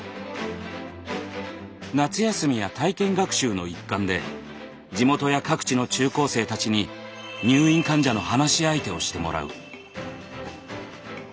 ⁉夏休みや体験学習の一環で地元や各地の中高生たちに入院患者の話し相手をしてもらう。